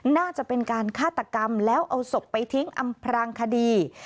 น่าจะเป็นการฆาตกรรมแล้วเอาศพไปทิ้งอำพรางคดี